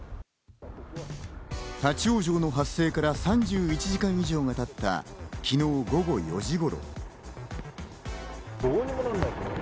立ち往生の発生から３１時間以上がたった昨日午後４時頃。